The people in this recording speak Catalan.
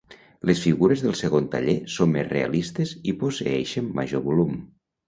Les figures del segon taller són més realistes i posseeixen major volum.